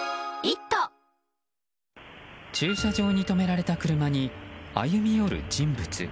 駐車場に止められた車に歩み寄る人物。